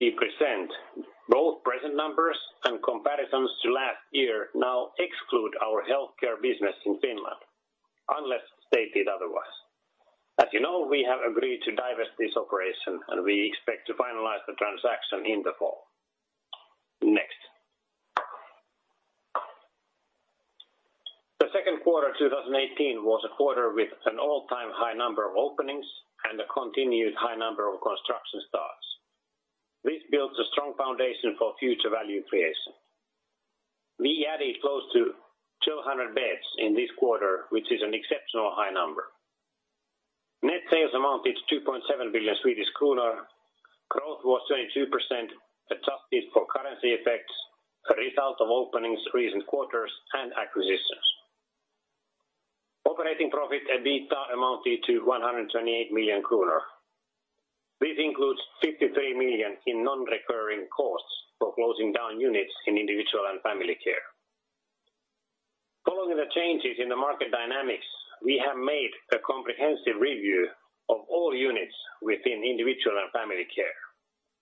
We present both present numbers and comparisons to last year now exclude our healthcare business in Finland unless stated otherwise. As you know, we have agreed to divest this operation, and we expect to finalize the transaction in the fall. Next. The second quarter 2018 was a quarter with an all-time high number of openings and a continued high number of construction starts. This builds a strong foundation for future value creation. We added close to 200 beds in this quarter, which is an exceptional high number. Net sales amounted to 2.7 billion Swedish kronor. Growth was 22%, adjusted for currency effects, a result of openings recent quarters and acquisitions. Operating profit, EBITDA, amounted to 128 million kronor. This includes 53 million in non-recurring costs for closing down units in individual and family care. Following the changes in the market dynamics, we have made a comprehensive review of all units within individual and family care.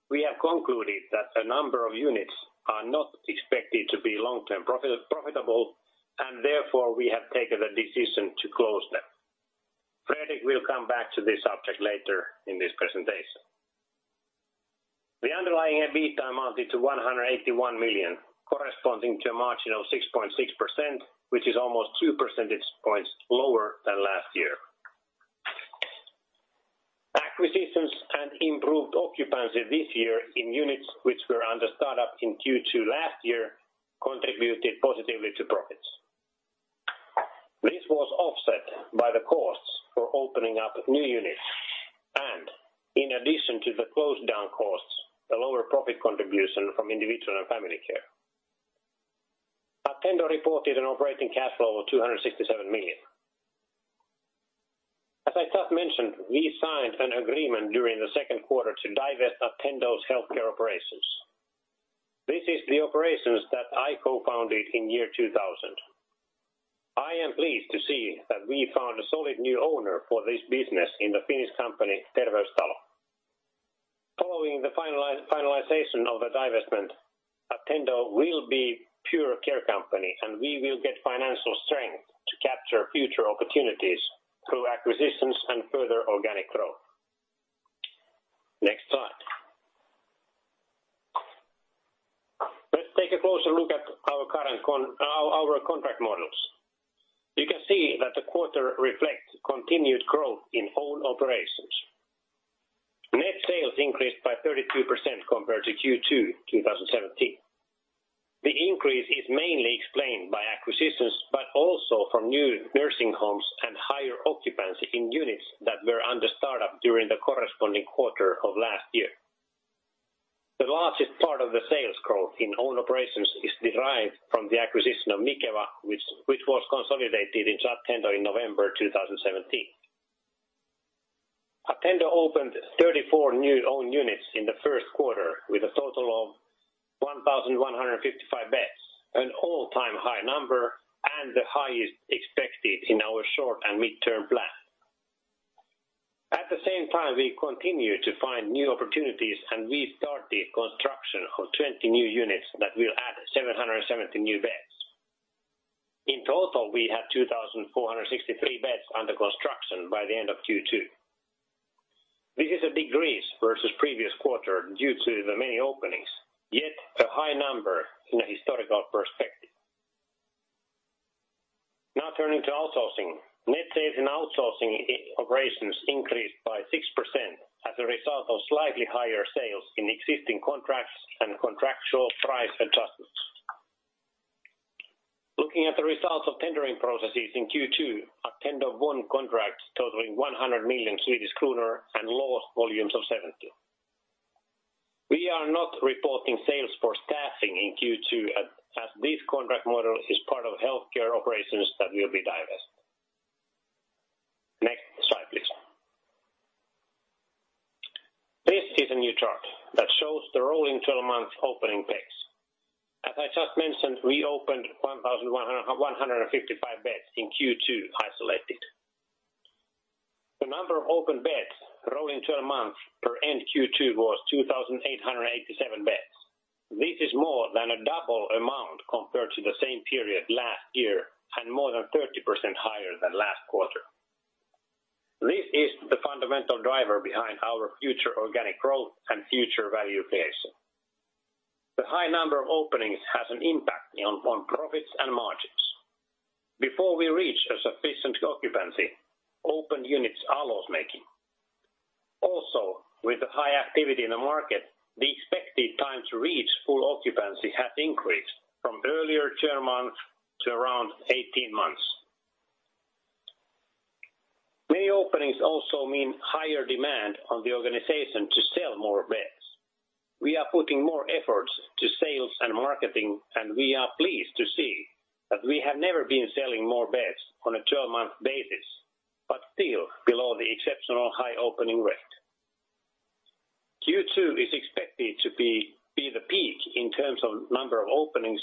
We have concluded that a number of units are not expected to be long-term profitable, and therefore, we have taken the decision to close them. Fredrik will come back to this subject later in this presentation. The underlying EBITDA amounted to 181 million, corresponding to a margin of 6.6%, which is almost two percentage points lower than last year. Acquisitions and improved occupancy this year in units which were under startup in Q2 last year contributed positively to profits. This was offset by the costs for opening up new units and, in addition to the closed down costs, the lower profit contribution from individual and family care. Attendo reported an operating cash flow of 267 million. As I just mentioned, we signed an agreement during the second quarter to divest Attendo's healthcare operations. This is the operations that I co-founded in the year 2000. I am pleased to see that we found a solid new owner for this business in the Finnish company Terveystalo. Following the finalization of the divestment, Attendo will be pure care company, and we will get financial strength to capture future opportunities through acquisitions and further organic growth. Next slide. Let's take a closer look at our contract models. You can see that the quarter reflects continued growth in own operations. Net sales increased by 32% compared to Q2 2017. The increase is mainly explained by acquisitions, but also from new nursing homes and higher occupancy in units that were under startup during the corresponding quarter of last year. The largest part of the sales growth in own operations is derived from the acquisition of Mikeva, which was consolidated into Attendo in November 2017. Attendo opened 34 new own units in the first quarter with a total of 1,155 beds, an all-time high number and the highest expected in our short and midterm plan. At the same time, we continue to find new opportunities, and we've started construction of 20 new units that will add 770 new beds. In total, we had 2,463 beds under construction by the end of Q2. This is a decrease versus previous quarter due to the many openings, yet a high number in a historical perspective. Now turning to outsourcing. Net sales in outsourcing operations increased by 6% as a result of slightly higher sales in existing contracts and contractual price adjustments. Looking at the results of tendering processes in Q2, Attendo won contracts totaling 100 million Swedish kronor and lost volumes of 70. We are not reporting sales for staffing in Q2 as this contract model is part of healthcare operations that will be divested. Next slide, please. This is a new chart that shows the rolling 12-month opening pace. As I just mentioned, we opened 1,155 beds in Q2 isolated. The number of open beds rolling 12 months per end Q2 was 2,887 beds. This is more than a double amount compared to the same period last year and more than 30% higher than last quarter. This is the fundamental driver behind our future organic growth and future value creation. The high number of openings has an impact on profits and margins. Before we reach a sufficient occupancy, open units are loss-making. With the high activity in the market, the expected time to reach full occupancy has increased from earlier 12 months to around 18 months. Many openings also mean higher demand on the organization to sell more beds. We are putting more efforts to sales and marketing, and we are pleased to see that we have never been selling more beds on a 12-month basis, but still below the exceptional high opening rate. Q2 is expected to be the peak in terms of number of openings,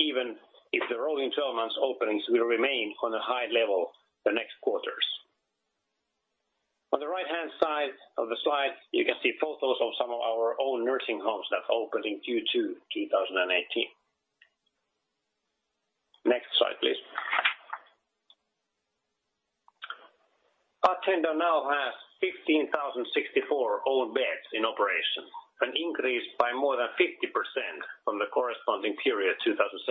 even if the rolling 12 months' openings will remain on a high level the next quarters. On the right-hand side of the slide, you can see photos of some of our own nursing homes that opened in Q2 2018. Next slide, please. Attendo now has 15,064 own beds in operation, an increase by more than 50% from the corresponding period 2017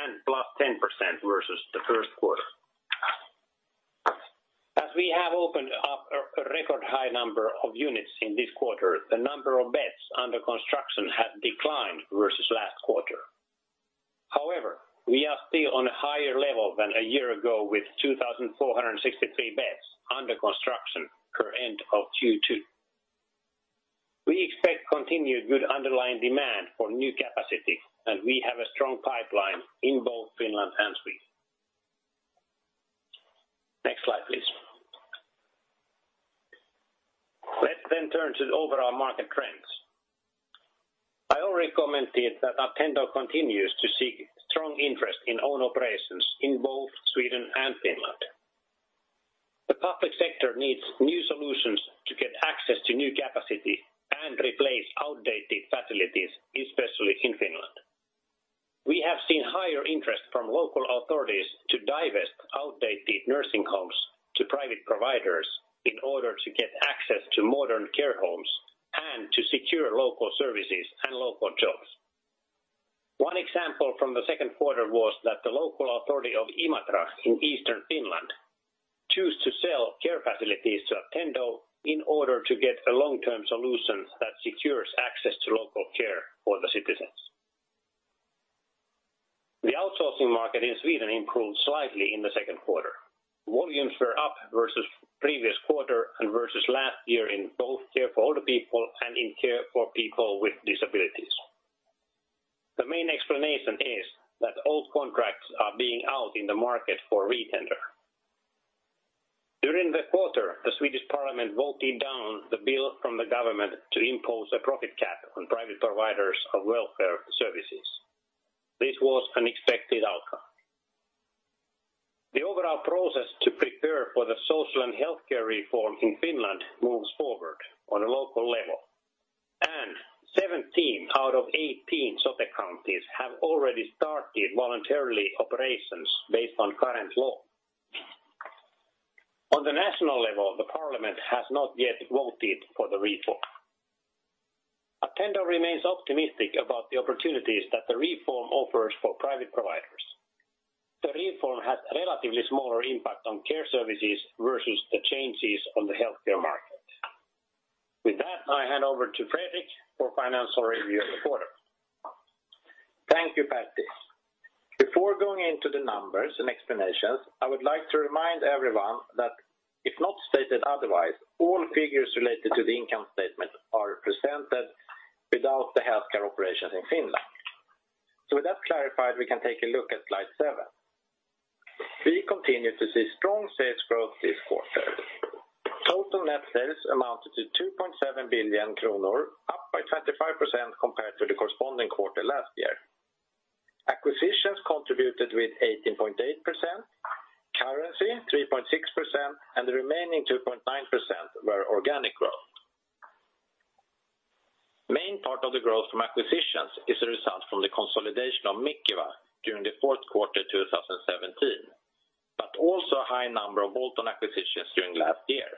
and plus 10% versus the first quarter. As we have opened up a record high number of units in this quarter, the number of beds under construction had declined versus last quarter. However, we are still on a higher level than a year ago with 2,463 beds under construction per end of Q2. We expect continued good underlying demand for new capacity, and we have a strong pipeline in both Finland and Sweden. Next slide, please. Let's turn to the overall market trends. I already commented that Attendo continues to see strong interest in own operations in both Sweden and Finland. The public sector needs new solutions to get access to new capacity and replace outdated facilities, especially in Finland. We have seen higher interest from local authorities to divest outdated nursing homes to private providers in order to get access to modern care homes and to secure local services and local jobs. One example from the second quarter was that the local authority of Imatra in Eastern Finland chose to sell care facilities to Attendo in order to get a long-term solution that secures access to local care for the citizens. The outsourcing market in Sweden improved slightly in the second quarter. Volumes were up versus the previous quarter and versus last year in both care for older people and in care for people with disabilities. The main explanation is that old contracts are being put out in the market for retender. During the quarter, the Swedish parliament voted down the bill from the government to impose a profit cap on private providers of welfare services. This was an expected outcome. The overall process to prepare for the social and healthcare reform in Finland moves forward on a local level, and 17 out of 18 Sote counties have already started voluntary operations based on current law. On the national level, the parliament has not yet voted for the reform. Attendo remains optimistic about the opportunities that the reform offers for private providers. The reform had a relatively smaller impact on care services versus the changes on the healthcare market. I hand over to Fredrik for financial review of the quarter. Thank you, Perrti. Before going into the numbers and explanations, I would like to remind everyone that if not stated otherwise, all figures related to the income statement are presented without the healthcare operations in Finland. With that clarified, we can take a look at slide seven. We continued to see strong sales growth this quarter. Total net sales amounted to 2.7 billion kronor, up by 25% compared to the corresponding quarter last year. Acquisitions contributed with 18.8%, currency 3.6%, and the remaining 2.9% were organic growth. Main part of the growth from acquisitions is a result from the consolidation of Mikeva during the fourth quarter 2017, but also a high number of bolt-on acquisitions during last year.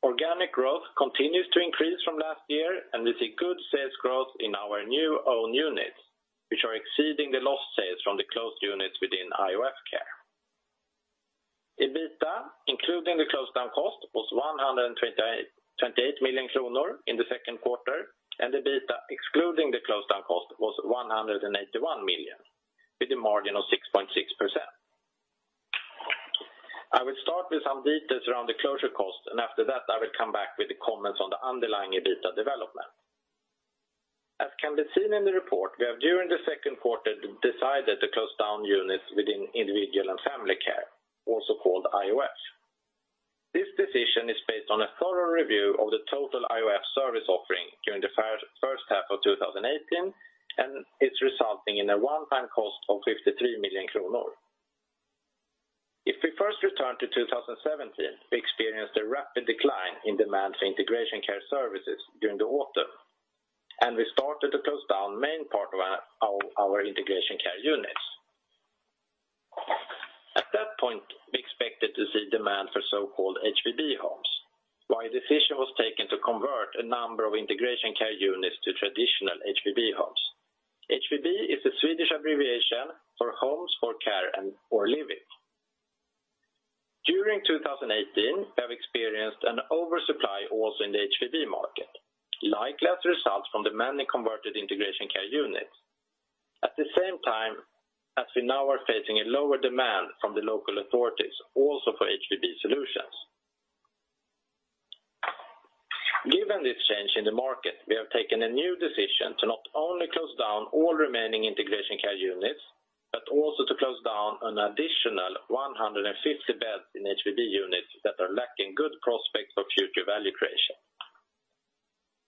Organic growth continues to increase from last year, and we see good sales growth in our new own units, which are exceeding the lost sales from the closed units within IOF care. EBITDA, including the closed down cost, was 128 million kronor in the second quarter, and EBITDA excluding the closed down cost was 181 million, with a margin of 6.6%. I will start with some details around the closure cost, and after that, I will come back with the comments on the underlying EBITDA development. As can be seen in the report, we have during the second quarter decided to close down units within individual and family care, also called IOF. This decision is based on a thorough review of the total IOF service offering during the first half of 2018, and it's resulting in a one-time cost of 53 million kronor. If we first return to 2017, we experienced a rapid decline in demand for integration care services during the autumn, and we started to close down main part of our integration care units. At that point, we expected to see demand for so-called HVB homes, while the decision was taken to convert a number of integration care units to traditional HVB homes. HVB is a Swedish abbreviation for Homes for Care and for Living. During 2018, we have experienced an oversupply also in the HVB market, likely as a result from demanding converted integration care units. As we now are facing a lower demand from the local authorities also for HVB solutions. Given this change in the market, we have taken a new decision to not only close down all remaining integration care units, but also to close down an additional 150 beds in HVB units that are lacking good prospects for future value creation.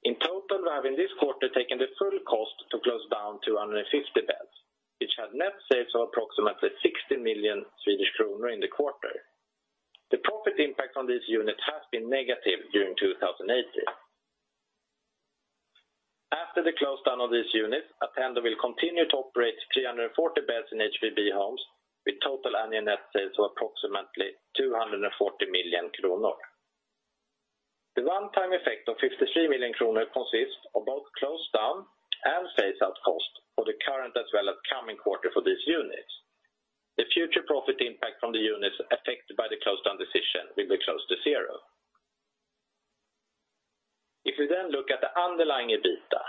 In total, we have in this quarter taken the full cost to close down 250 beds, which had net sales of approximately 60 million Swedish kronor in the quarter. The profit impact on this unit has been negative during 2018. After the close down of this unit, Attendo will continue to operate 340 beds in HVB homes with total annual net sales of approximately 240 million kronor. The one-time effect of 53 million kronor consists of both close down and phase out cost for the current as well as coming quarter for these units. The future profit impact from the units affected by the close down decision will be close to zero. We then look at the underlying EBITDA,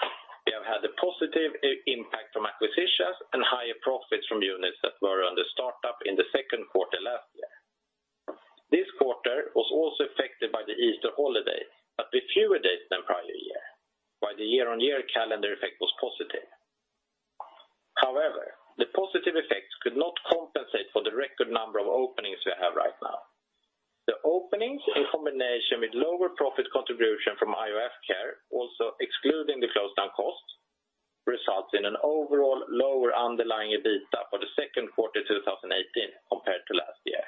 we have had a positive impact from acquisitions and higher profits from units that were under startup in the second quarter last year. This quarter was also affected by the Easter holiday, but with fewer days than prior year, while the year-on-year calendar effect was positive. The positive effects could not compensate for the record number of openings we have right now. The openings, in combination with lower profit contribution from IOF care, also excluding the close down costs, results in an overall lower underlying EBITDA for the second quarter 2018 compared to last year.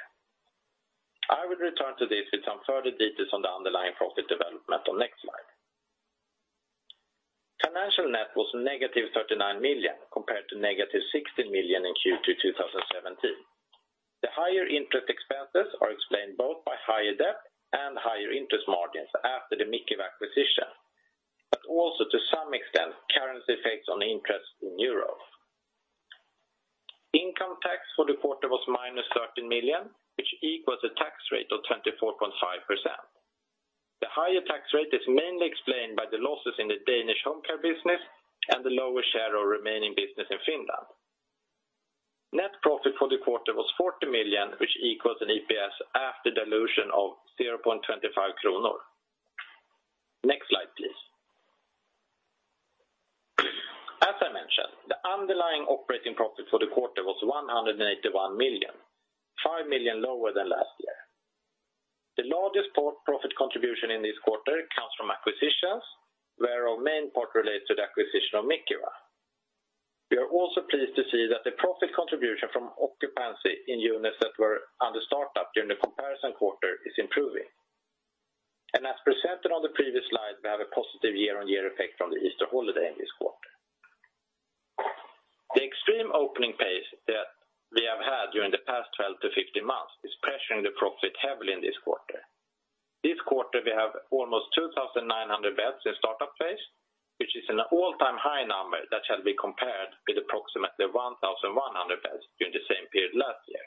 I will return to this with some further details on the underlying profit development on next slide. Financial net was negative 39 million compared to negative 60 million in Q2 2017. The higher interest expenses are explained both by higher debt and higher interest margins after the Mikeva acquisition, but also to some extent, currency effects on interest in Europe. Income tax for the quarter was minus 13 million, which equals a tax rate of 24.5%. The higher tax rate is mainly explained by the losses in the Danish home care business and the lower share of remaining business in Finland. Net profit for the quarter was 40 million, which equals an EPS after dilution of 0.25 kronor. Next slide, please. As I mentioned, the underlying operating profit for the quarter was 181 million, 5 million lower than last year. The largest profit contribution in this quarter comes from acquisitions, where our main part relates to the acquisition of Mikeva. We are also pleased to see that the profit contribution from occupancy in units that were under startup during the comparison quarter is improving. As presented on the previous slide, we have a positive year-on-year effect from the Easter holiday in this quarter. The extreme opening pace that we have had during the past 12 to 15 months is pressuring the profit heavily in this quarter. This quarter, we have almost 2,900 beds in startup phase, which is an all-time high number that shall be compared with approximately 1,100 beds during the same period last year.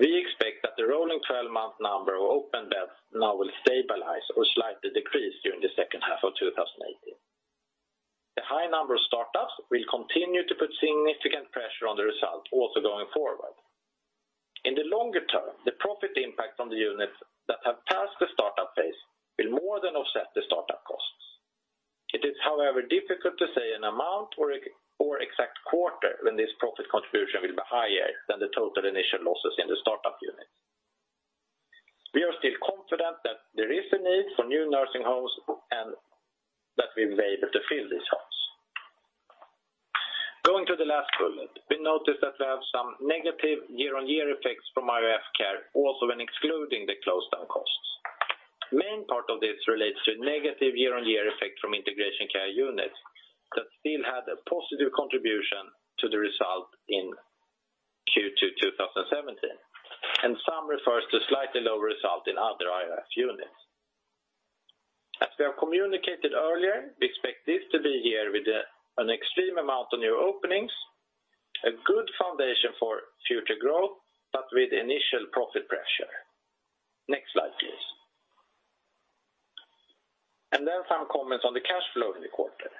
We expect that the rolling 12-month number of open beds now will stabilize or slightly decrease during the second half of 2018. The high number of startups will continue to put significant pressure on the result also going forward. In the longer term, the profit impact on the units that have passed the startup phase will more than offset the startup costs. It is, however, difficult to say an amount or exact quarter when this profit contribution will be higher than the total initial losses in the startup units. We are still confident that there is a need for new nursing homes and that we will be able to fill these homes. Going to the last bullet, we notice that we have some negative year-on-year effects from IOF care also when excluding the close down costs. Main part of this relates to negative year-on-year effect from integration care units that still had a positive contribution to the result in Q2 2017, and some refers to slightly lower result in other IOF units. As we have communicated earlier, we expect this to be a year with an extreme amount of new openings, a good foundation for future growth, but with initial profit pressure. Next slide, please. Then some comments on the cash flow in the quarter.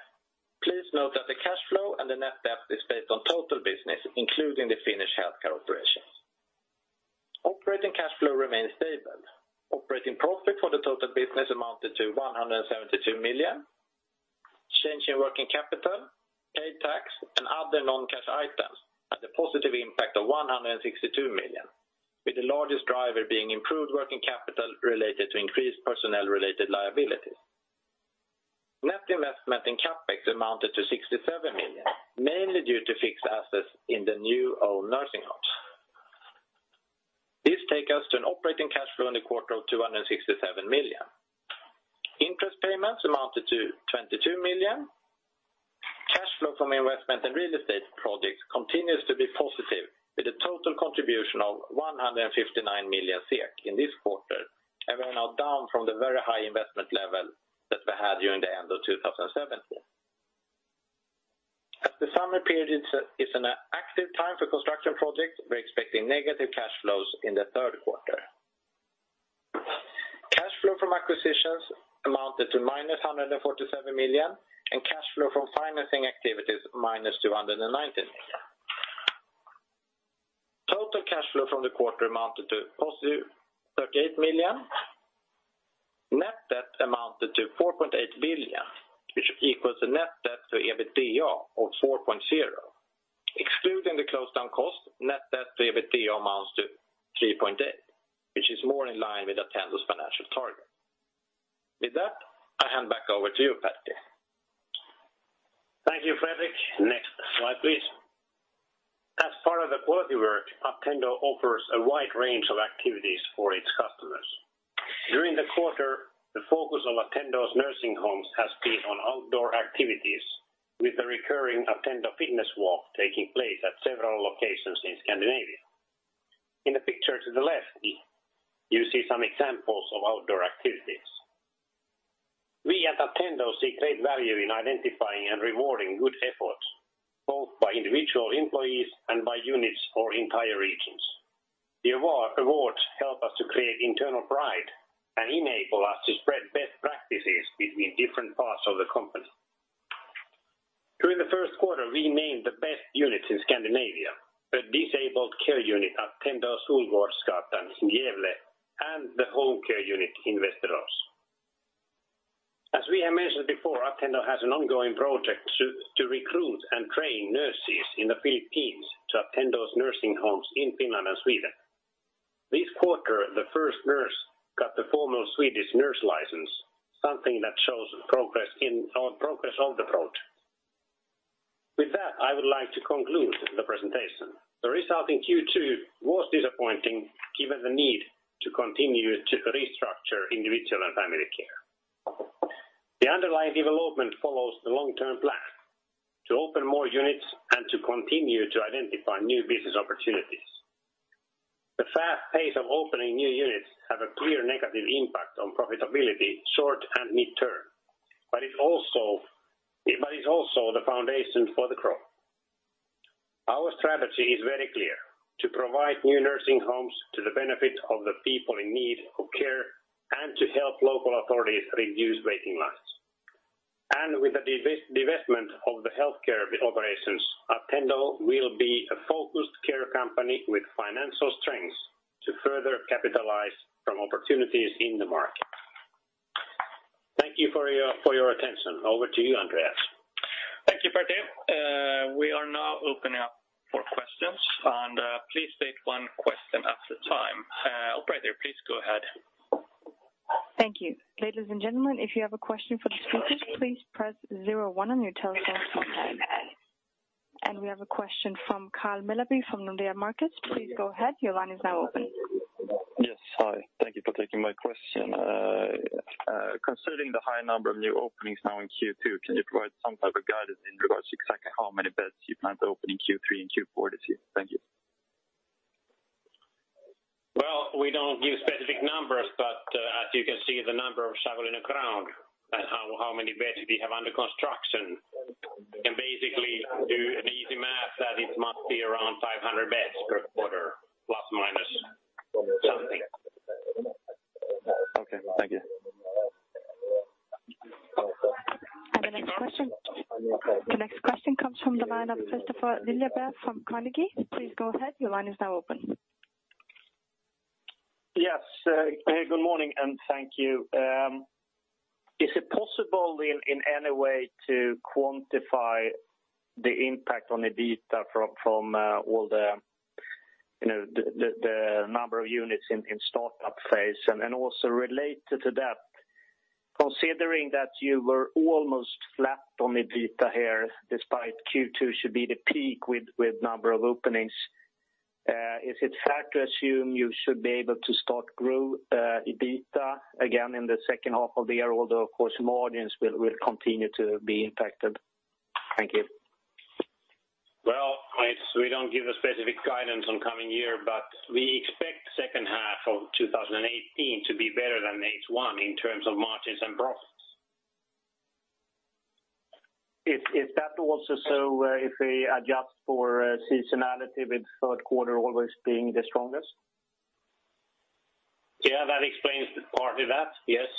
Please note that the cash flow and the net debt is based on total business, including the Finnish healthcare operations. Operating cash flow remains stable. Operating profit for the total business amounted to 172 million. Change in working capital, paid tax, and other non-cash items had a positive impact of 162 million, with the largest driver being improved working capital related to increased personnel-related liabilities. Net investment in CapEx amounted to 67 million, mainly due to fixed assets in the new own nursing homes. This take us to an operating cash flow in the quarter of 267 million. Interest payments amounted to 22 million. Cash flow from investment in real estate projects continues to be positive with a total contribution of 159 million SEK in this quarter. We're now down from the very high investment level that we had during the end of 2017. As the summer period is an active time for construction projects, we're expecting negative cash flows in the third quarter. Cash flow from acquisitions amounted to minus 147 million. Cash flow from financing activities, minus 219 million. Total cash flow from the quarter amounted to positive 38 million. Net debt amounted to 4.8 billion, which equals the net debt to EBITDA of 4.0. Excluding the closed down cost, net debt EBITDA amounts to 3.8, which is more in line with Attendo's financial target. With that, I hand back over to you, Perrti. Thank you, Fredrik. Next slide, please. As part of the quality work, Attendo offers a wide range of activities for its customers. During the quarter, the focus of Attendo's nursing homes has been on outdoor activities, with the recurring Attendo Fitness Walk taking place at several locations in Scandinavia. In the picture to the left, you see some examples of outdoor activities. We at Attendo see great value in identifying and rewarding good efforts, both by individual employees and by units or entire regions. The awards help us to create internal pride and enable us to spread best practices between different parts of the company. During the first quarter, we named the best units in Scandinavia: the disabled care unit, Attendo Skolgårdsgatan in Gävle, and the home care unit in Västerås. As we have mentioned before, Attendo has an ongoing project to recruit and train nurses in the Philippines to Attendo's nursing homes in Finland and Sweden. This quarter, the first nurse got the formal Swedish nurse license, something that shows progress of the project. With that, I would like to conclude the presentation. The result in Q2 was disappointing given the need to continue to restructure individual and family care. The underlying development follows the long-term plan: to open more units and to continue to identify new business opportunities. The fast pace of opening new units have a clear negative impact on profitability, short and mid-term, but is also the foundation for the growth. Our strategy is very clear: to provide new nursing homes to the benefit of the people in need of care and to help local authorities reduce waiting lists. With the divestment of the healthcare operations, Attendo will be a focused care company with financial strength to further capitalize from opportunities in the market. Thank you for your attention. Over to you, Andreas. Thank you, Perrti. We are now opening up for questions. Please state one question at a time. Operator, please go ahead. Thank you. Ladies and gentlemen, if you have a question for the speakers, please press 01 on your telephone keypad. We have a question from Karl Emil Thulstrup from Nordea Markets. Please go ahead. Your line is now open. Yes, hi. Thank you for taking my question. Concerning the high number of new openings now in Q2, can you provide some type of guidance in regards to exactly how many beds you plan to open in Q3 and Q4 this year? Thank you. Well, we don't give specific numbers, but as you can see the number of shovel in the ground and how many beds we have under construction. You can basically do an easy math that it must be around 500 beds per quarter, plus, minus something. Okay, thank you. The next question comes from the line of Kristofer Liljeberg from Carnegie. Please go ahead. Your line is now open. Yes. Good morning and thank you. Is it possible in any way to quantify the impact on the EBITDA from the number of units in startup phase? Also related to that, considering that you were almost flat on EBITDA here, despite Q2 should be the peak with number of openings, is it fair to assume you should be able to start grow EBITDA again in the second half of the year, although, of course, margins will continue to be impacted? Thank you. We don't give a specific guidance on coming year, we expect second half of 2018 to be better than H1 in terms of margins and profits. Is that also so if we adjust for seasonality with third quarter always being the strongest? That explains partly that. Yes.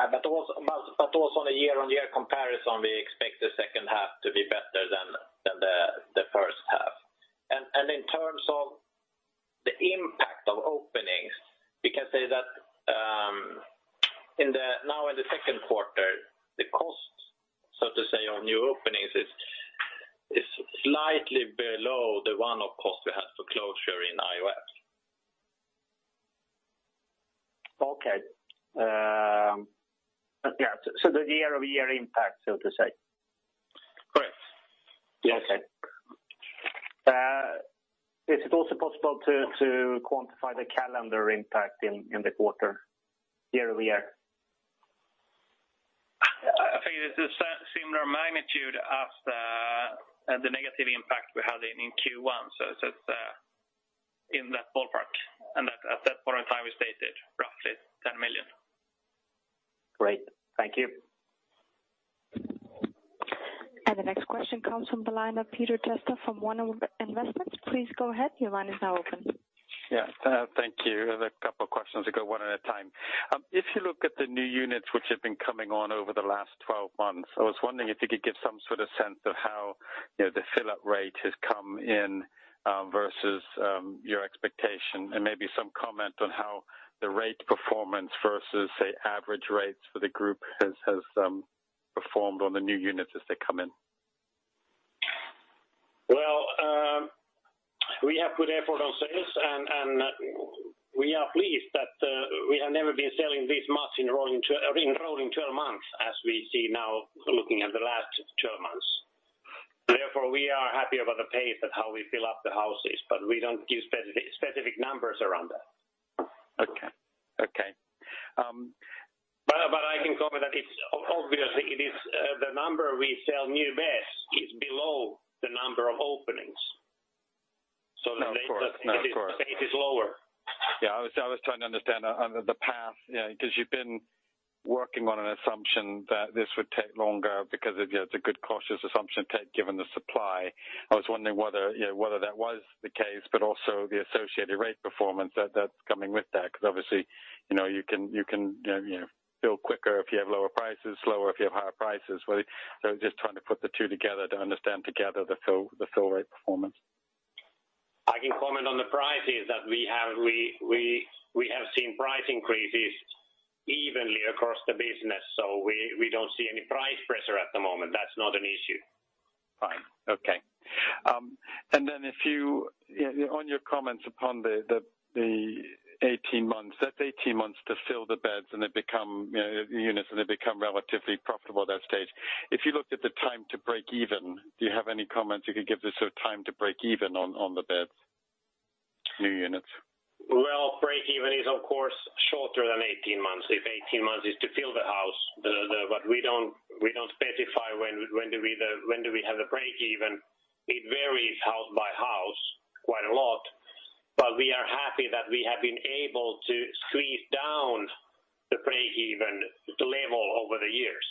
Also on a year-on-year comparison, we expect the second half to be better than the first half. In terms of the impact of openings, we can say that now in the second quarter, the cost, so to say, on new openings is slightly below the one of cost we had for closure in IOF. Okay. the year-over-year impact, so to say. Correct. Yes. Okay. Is it also possible to quantify the calendar impact in the quarter year-over-year? I think it's a similar magnitude as the negative impact we had in Q1, it's in that ballpark. At that point in time, we stated roughly 10 million. Great. Thank you. The next question comes from the line of Peter Testa from 18 Investments. Please go ahead. Your line is now open. Yes. Thank you. There are a couple of questions. I go one at a time. If you look at the new units which have been coming on over the last 12 months, I was wondering if you could give some sort of sense of how the fill-up rate has come in versus your expectation, and maybe some comment on how the rate performance versus, say, average rates for the group has performed on the new units as they come in? We have good effort on sales, and we are pleased that we have never been selling this much in rolling 12 months as we see now looking at the last 12 months. We are happy about the pace of how we fill up the houses, but we don't give specific numbers around that. Okay. I can comment that obviously the number we sell new beds is below the number of openings. No, of course. The pace is lower. Yeah. I was trying to understand the path, because you've been working on an assumption that this would take longer because it's a good cautious assumption to take given the supply. I was wondering whether that was the case, but also the associated rate performance that's coming with that. Obviously, you can fill quicker if you have lower prices, slower if you have higher prices. Just trying to put the two together to understand together the fill rate performance. I can comment on the prices that we have seen price increases evenly across the business. We don't see any price pressure at the moment. That's not an issue. Fine. Okay. Then on your comments upon the 18 months, that's 18 months to fill the beds and they become units, and they become relatively profitable at that stage. If you looked at the time to break even, do you have any comments you could give the time to break even on the beds, new units? Well, break even is of course shorter than 18 months. If 18 months is to fill the house. We don't specify when do we have a break even. It varies house by house quite a lot, but we are happy that we have been able to squeeze down the break even, the level over the years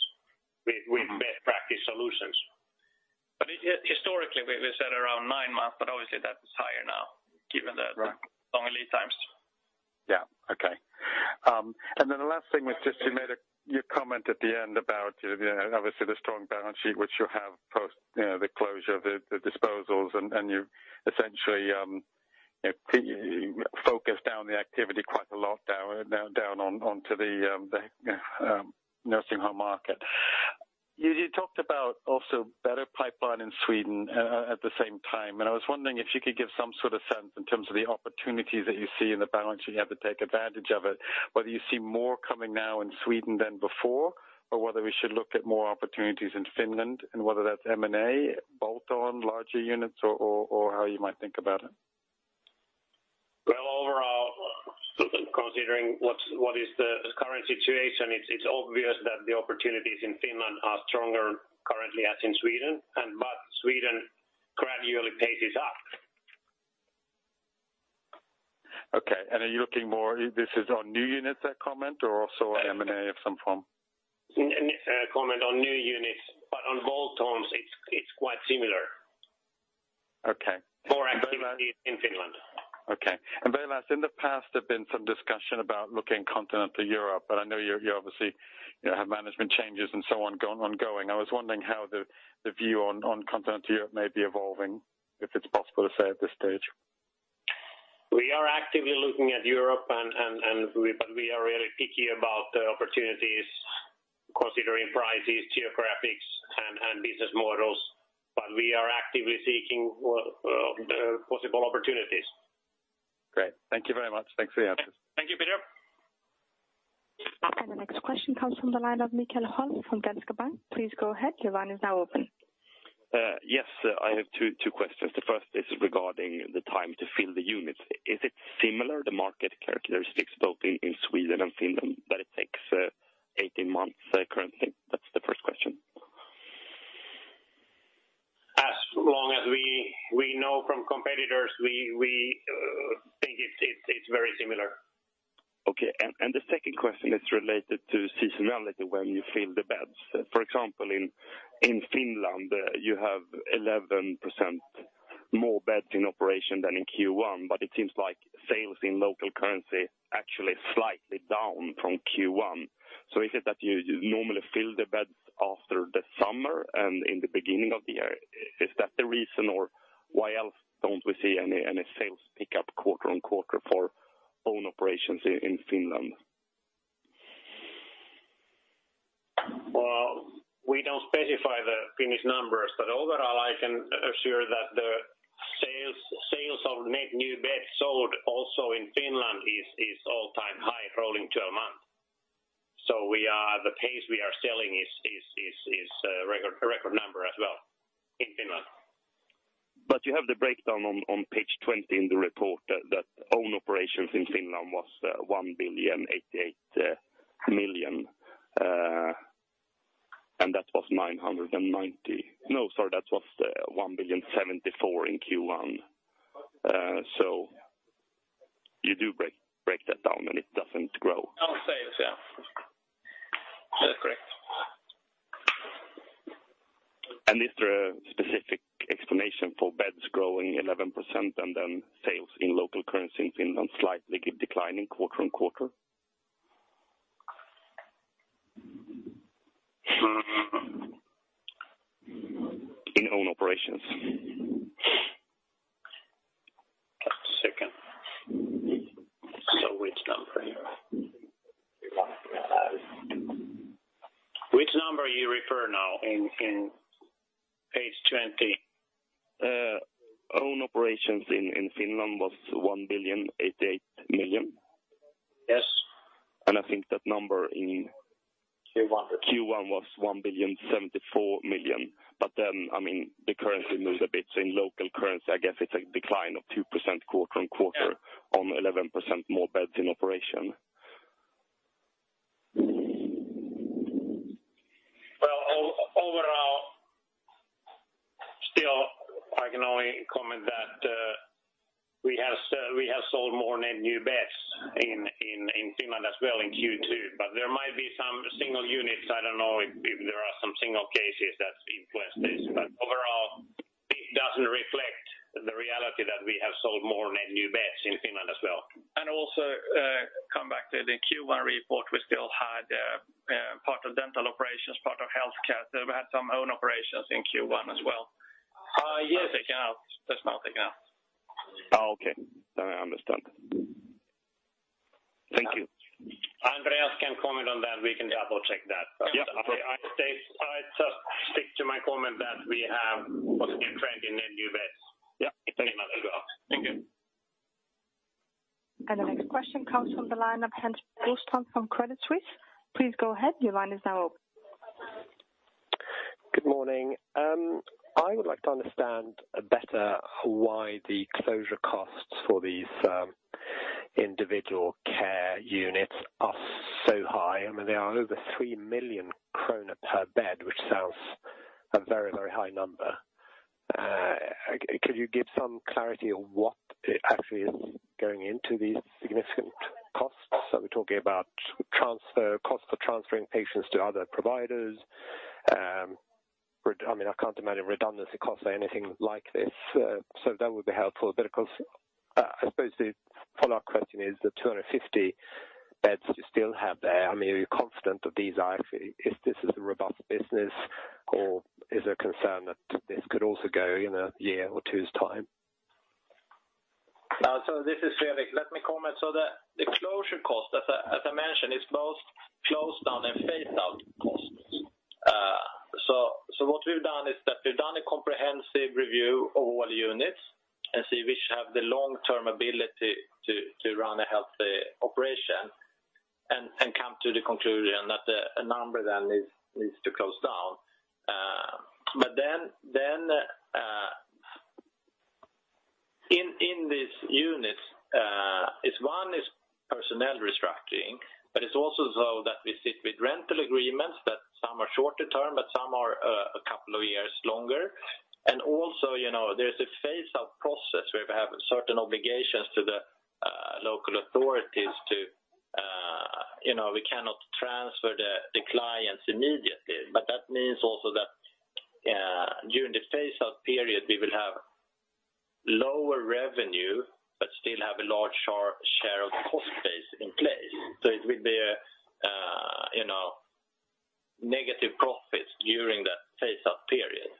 with best practice solutions. Historically we said around nine months, but obviously that is higher now given the longer lead times. Yeah. Okay. Then the last thing was just you made your comment at the end about obviously the strong balance sheet, which you have post the closure, the disposals, and you essentially focus down the activity quite a lot down onto the nursing home market. You talked about also better pipeline in Sweden at the same time, I was wondering if you could give some sort of sense in terms of the opportunities that you see in the balance sheet, how to take advantage of it, whether you see more coming now in Sweden than before, or whether we should look at more opportunities in Finland and whether that's M&A, bolt-on larger units or how you might think about it. Well, overall, considering what is the current situation, it is obvious that the opportunities in Finland are stronger currently as in Sweden, but Sweden gradually paces up. Okay. Are you looking more, this is on new units, that comment, or also on M&A of some form? Comment on new units, but on bolt-ons it is quite similar. Okay. More activity in Finland. Okay. Very last, in the past there've been some discussion about looking continent to Europe, but I know you obviously have management changes and so on ongoing. I was wondering how the view on continental Europe may be evolving, if it's possible to say at this stage? We are actively looking at Europe, but we are really picky about the opportunities, considering prices, geographics, and business models. We are actively seeking possible opportunities. Great. Thank you very much. Thanks for the answers. Thank you, Peter. The next question comes from the line of Mikael Milhøj from Danske Bank. Please go ahead. Your line is now open. Yes. I have two questions. The first is regarding the time to fill the units. Is it similar, the market characteristics both in Sweden and Finland, that it takes 18 months currently? That's the first question. As long as we know from competitors, we think it's very similar. Okay. The second question is related to seasonality when you fill the beds. For example, in Finland, you have 11% more beds in operation than in Q1, but it seems like sales in local currency actually is slightly down from Q1. Is it that you normally fill the beds after the summer and in the beginning of the year? Is that the reason, or why else don't we see any sales pickup quarter-on-quarter for own operations in Finland? We don't specify the Finnish numbers, overall, I can assure that the sales of net new beds sold also in Finland is all-time high rolling 12 months. The pace we are selling is a record number as well in Finland. You have the breakdown on page 20 in the report that own operations in Finland was 1,088 million. That was 990 million. No, sorry, that was 1,074 million in Q1. You do break that down and it doesn't grow. On sales, yeah. That's correct. Is there a specific explanation for beds growing 11% and then sales in local currency in Finland slightly declining quarter-on-quarter? In own operations. Just a second In page 20, own operations in Finland was 1,088,000,000. Yes. I think that number. Q1 Q1 was 1,074,000,000. The currency moves a bit, in local currency, I guess it's a decline of 2% quarter on quarter. Yeah on 11% more beds in operation. Well, overall, still I can only comment that we have sold more net new beds in Finland as well in Q2. There might be some single units, I don't know if there are some single cases that influence this. Overall, it doesn't reflect the reality that we have sold more net new beds in Finland as well. Also, come back to the Q1 report. We still had part of dental operations, part of healthcare. We had some own operations in Q1 as well. Yes. That's now taken out. Okay. I understand. Thank you. Andreas can comment on that. We can double-check that. Yeah. I just stick to my comment that we have positive trend in net new beds. Yeah. In Finland as well. Thank you. The next question comes from the line of Hans Boström from Credit Suisse. Please go ahead. Your line is now open. Good morning. I would like to understand better why the closure costs for these individual care units are so high. They are over 3 million kronor per bed, which sounds a very high number. Could you give some clarity on what actually is going into these significant costs? Are we talking about costs for transferring patients to other providers? I cannot imagine redundancy costs are anything like this. That would be helpful. I suppose the follow-up question is the 250 beds you still have there, are you confident that this is a robust business or is there a concern that this could also go in a year or two's time? This is Fredrik. Let me comment. The closure cost, as I mentioned, is both closed down and phased out costs. What we've done is that we've done a comprehensive review of all units and see which have the long-term ability to run a healthy operation and come to the conclusion that a number then needs to close down. In these units, one is personnel restructuring, but it's also so that we sit with rental agreements that some are shorter term, but some are a couple of years longer. Also, there's a phase-out process where we have certain obligations to the local authorities. We cannot transfer the clients immediately. That means also that during the phase-out period, we will have lower revenue but still have a large share of cost base in place. It will be negative profits during that phase-out period.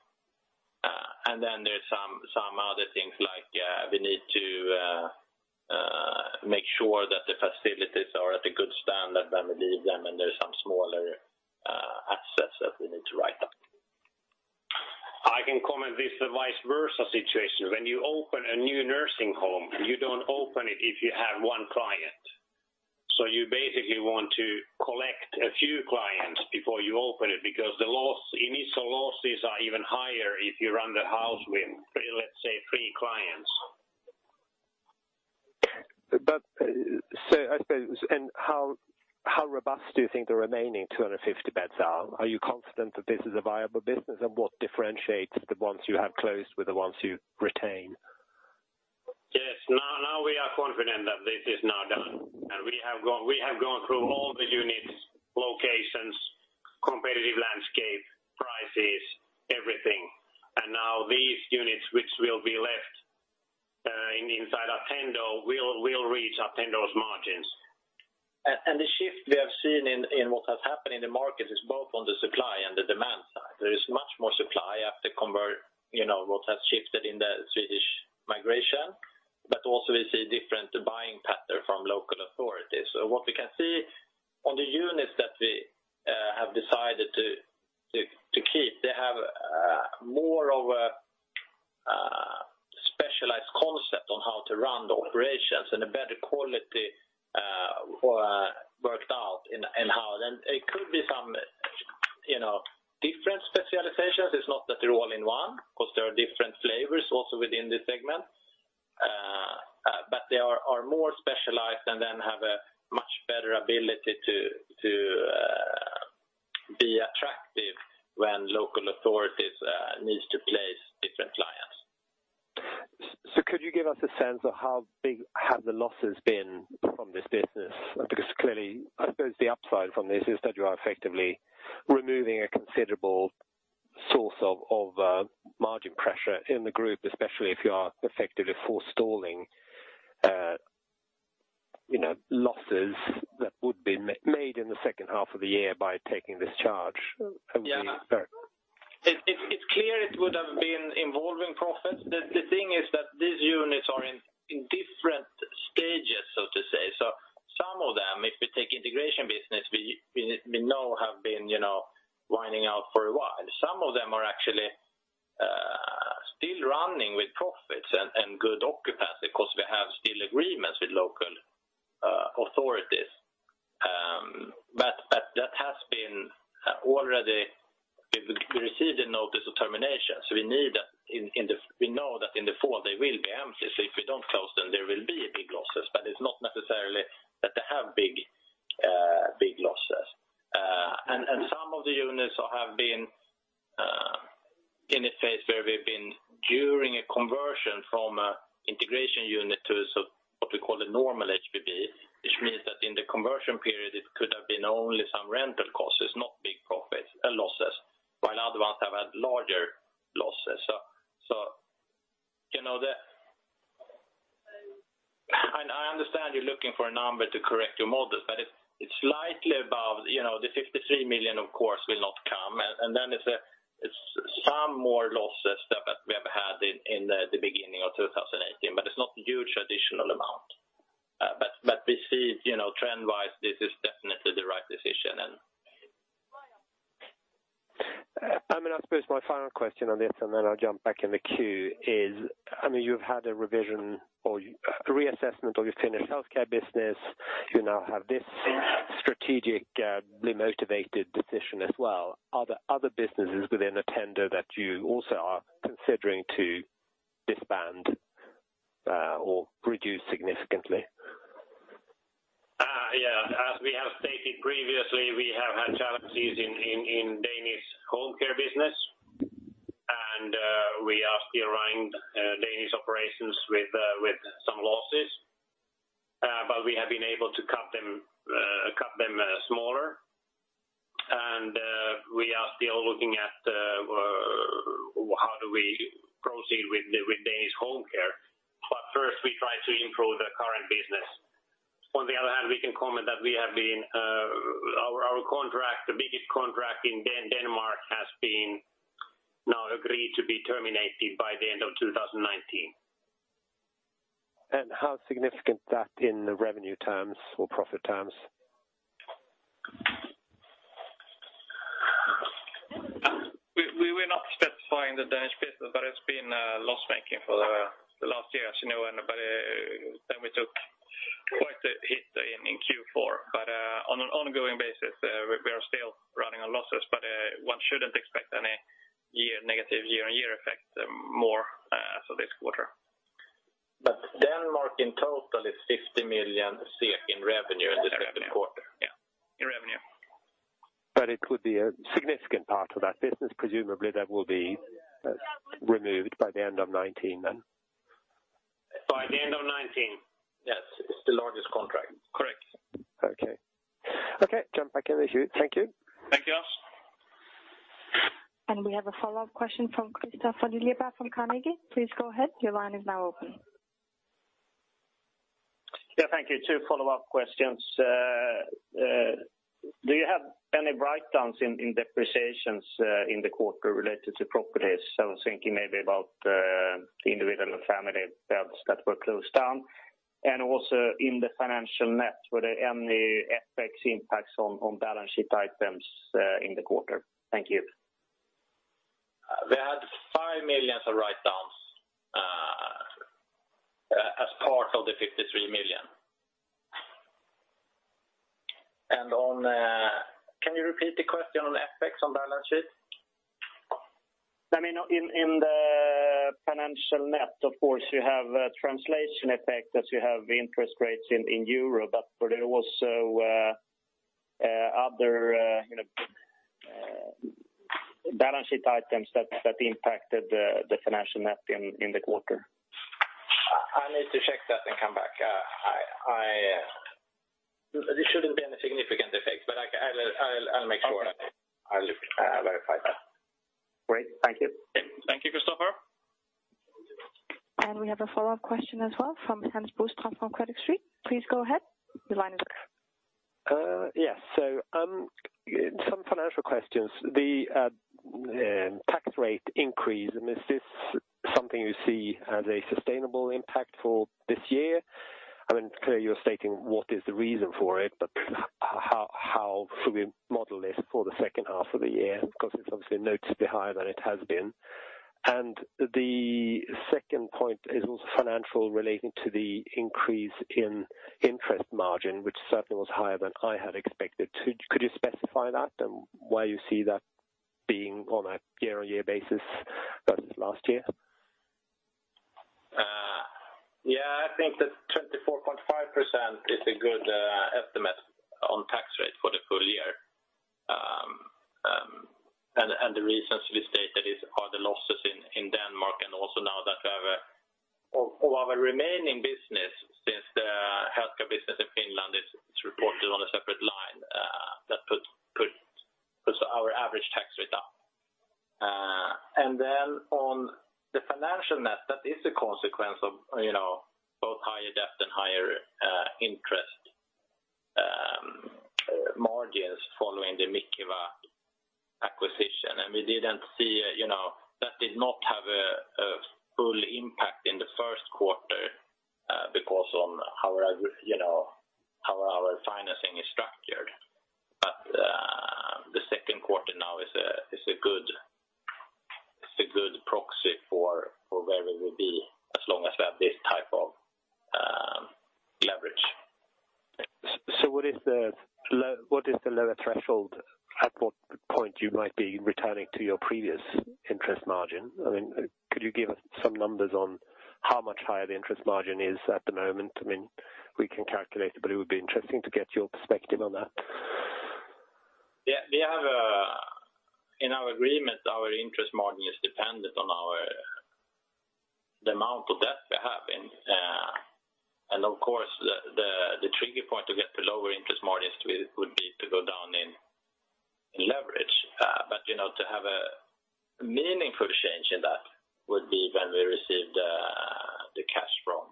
There's some other things like we need to make sure that the facilities are at a good standard when we leave them, and there's some smaller assets that we need to write down. I can comment this, the vice versa situation. When you open a new nursing home, you don't open it if you have one client. You basically want to collect a few clients before you open it, because the initial losses are even higher if you run the house with, let's say, three clients. How robust do you think the remaining 250 beds are? Are you confident that this is a viable business? What differentiates the ones you have closed with the ones you retain? Yes. Now we are confident that this is now done. We have gone through all the units, locations, competitive landscape, prices, everything. Now these units which will be left inside Attendo will reach Attendo's margins. The shift we have seen in what has happened in the market is both on the supply and the demand side. There is much more supply after what has shifted in the Swedish migration, also we see different buying pattern from local authorities. What we can see on the units that we have decided to keep, they have more of a specialized concept on how to run the operations and a better quality [worked out in-house]. It could be some different specializations. It's not that they're all in one, because there are different flavors also within this segment. They are more specialized and then have a much better ability to be attractive when local authorities needs to place different clients. Could you give us a sense of how big have the losses been from this business? Because clearly, I suppose the upside from this is that you are effectively removing a considerable source of margin pressure in the group, especially if you are effectively forestalling losses that would be made in the second half of the year by taking this charge. Yeah. It's clear it would have been involving profits. The thing is that these units are in different Some of them, if we take integration care, we know have been winding out for a while. Some of them are actually still running with profits and good occupancy because we have still agreements with local authorities. That has been already, we've received a notice of termination, so we know that in the fall they will be empty. If we don't close them, there will be big losses, but it's not necessarily that they have big losses. Some of the units have been in a phase where we've been during a conversion from an integration unit to what we call a normal HVB, which means that in the conversion period it could have been only some rental costs. It's not big profits and losses, while other ones have had larger losses. I understand you're looking for a number to correct your models, but it's slightly above the 53 million of course will not come. Then it's some more losses that we have had in the beginning of 2018, but it's not huge additional amount. We see trend wise, this is definitely the right decision. I suppose my final question on this, and then I'll jump back in the queue is, you've had a revision or a reassessment of your Finnish healthcare business. You now have this strategically motivated decision as well. Are there other businesses within Attendo that you also are considering to disband or reduce significantly? Yeah. As we have stated previously, we have had challenges in Danish home care business. We are still running Danish operations with some losses. We have been able to cut them smaller. We are still looking at how do we proceed with Danish home care. First we try to improve the current business. On the other hand, we can comment that our contract, the biggest contract in Denmark has been now agreed to be terminated by the end of 2019. How significant that in revenue terms or profit terms? We were not specifying the Danish business, but it's been loss-making for the last year, as you know, then we took quite a hit in Q4. On an ongoing basis we are still running on losses, but one shouldn't expect any negative year-on-year effect more for this quarter. Denmark in total is 50 million in revenue in this quarter. In revenue. It would be a significant part of that business, presumably that will be removed by the end of 2019 then? By the end of 2019. Yes. It's the largest contract. Correct. Okay. Jump back in the queue. Thank you. Thank you. We have a follow-up question from Kristofer Liljeberg from Carnegie. Please go ahead. Your line is now open. Yeah. Thank you. Two follow-up questions. Do you have any write-downs in depreciations in the quarter related to properties? I was thinking maybe about the individual and family beds that were closed down, also in the financial net, were there any FX impacts on balance sheet items in the quarter? Thank you. We had 5 million of write-downs as part of the 53 million. Can you repeat the question on FX on balance sheet? In the financial net, of course you have a translation effect as you have interest rates in Euro, were there also other balance sheet items that impacted the financial net in the quarter? I need to check that and come back. There shouldn't be any significant effect, but I'll make sure. Okay. I'll verify that. Great. Thank you. Thank you, Kristofer. We have a follow-up question as well from Hans Boström from Credit Suisse. Please go ahead. Your line is open. Yes. Some financial questions. The tax rate increase, is this something you see as a sustainable impact for this year? Clearly you are stating what is the reason for it, but how should we model this for the second half of the year? It's obviously noticeably higher than it has been. The second point is also financial relating to the increase in interest margin, which certainly was higher than I had expected. Could you specify that and why you see that being on a year-on-year basis versus last year? Yeah, I think that 24.5% is a good estimate on tax rate for the full year. The reasons we stated are the losses in Denmark and also now that we have our remaining business since the healthcare business in Finland is reported on a separate line that puts our average tax rate up. On the financial net, that is a consequence of both higher debt and higher interest. Margins following the Mikeva acquisition. That did not have a full impact in the first quarter because on how our financing is structured. The second quarter now is a good proxy for where we will be as long as we have this type of leverage. What is the lower threshold, at what point you might be returning to your previous interest margin? Could you give us some numbers on how much higher the interest margin is at the moment? We can calculate it, but it would be interesting to get your perspective on that. In our agreement, our interest margin is dependent on the amount of debt we have. Of course, the trigger point to get the lower interest margins would be to go down in leverage. To have a meaningful change in that would be when we receive the cash from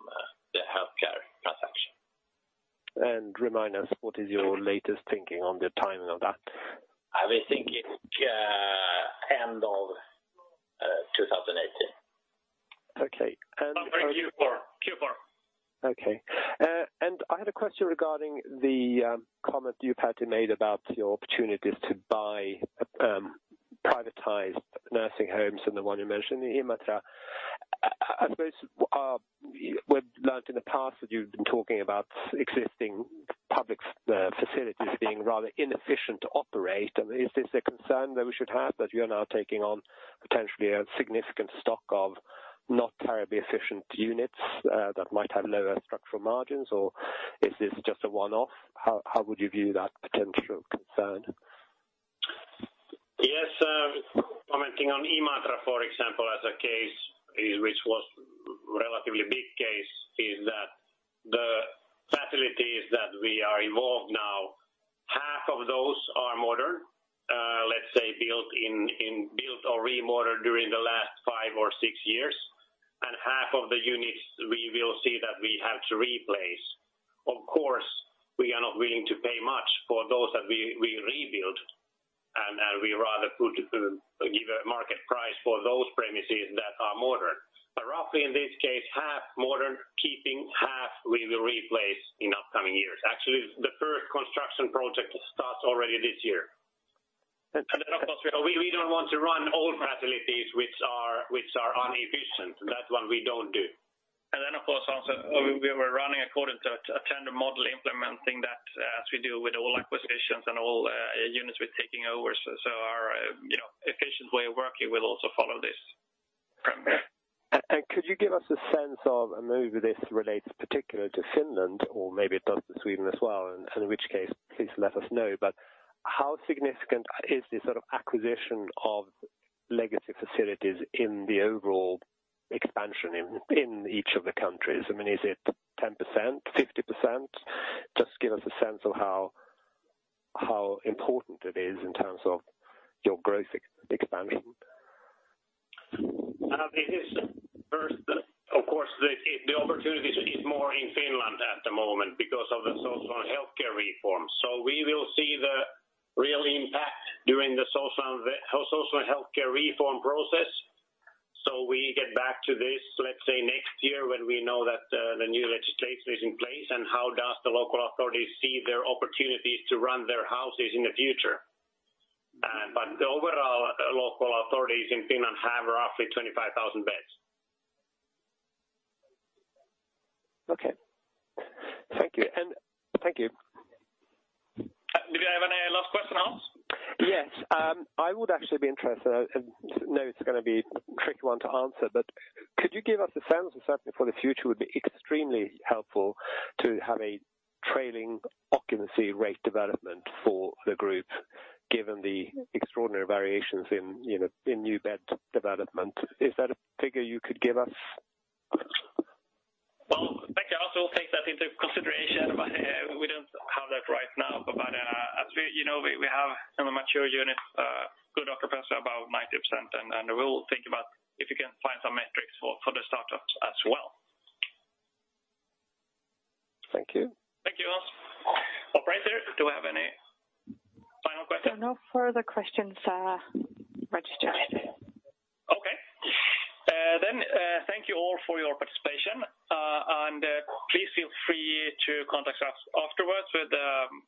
the healthcare transaction. Remind us, what is your latest thinking on the timing of that? We think it end of 2018. Okay. Sorry, Q4. I had a question regarding the comment you, Pat, had made about your opportunities to buy privatized nursing homes and the one you mentioned in Imatra. I suppose we've learned in the past that you've been talking about existing public facilities being rather inefficient to operate. Is this a concern that we should have that you're now taking on potentially a significant stock of not terribly efficient units that might have lower structural margins, or is this just a one-off? How would you view that potential concern? Yes. Commenting on Imatra, for example, as a case, which was relatively big case, is that the facilities that we are involved now, half of those are modern. Let's say built or remodeled during the last five or six years, and half of the units we will see that we have to replace. Of course, we are not willing to pay much for those that we rebuild, and we rather give a market price for those premises that are modern. But roughly in this case, half modern keeping, half we will replace in upcoming years. Actually, the first construction project starts already this year. Of course, we don't want to run old facilities which are inefficient. That one we don't do. Of course, Hans, we were running according to Attendo model, implementing that as we do with all acquisitions and all units we're taking over. Our efficient way of working will also follow this. Could you give us a sense of, maybe this relates particular to Finland or maybe it does to Sweden as well, in which case, please let us know, how significant is this sort of acquisition of legacy facilities in the overall expansion in each of the countries? Is it 10%, 50%? Just give us a sense of how important it is in terms of your growth expansion. Of course, the opportunity is more in Finland at the moment because of the social and healthcare reform. We will see the real impact during the social and healthcare reform process. We get back to this, let's say, next year when we know that the new legislation is in place and how does the local authorities see their opportunities to run their houses in the future. The overall local authorities in Finland have roughly 25,000 beds. Okay. Thank you. Do we have any last question, Hans? Yes. I would actually be interested, I know it's going to be a tricky one to answer, but could you give us a sense, and certainly for the future would be extremely helpful to have a trailing occupancy rate development for the group, given the extraordinary variations in new bed development. Is that a figure you could give us? Well, thank you, Hans. We'll take that into consideration, but we don't have that right now. As you know, we have in the mature units a good occupancy of about 90%, and we will think about if we can find some metrics for the startups as well. Thank you. Thank you, Hans. Operator, do we have any final questions? No further questions registered. Okay. Thank you all for your participation, and please feel free to contact us afterwards with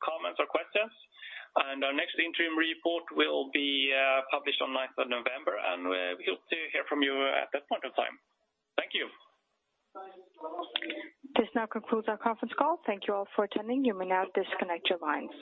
comments or questions. Our next interim report will be published on 9th of November, and we hope to hear from you at that point of time. Thank you. This now concludes our conference call. Thank you all for attending. You may now disconnect your lines.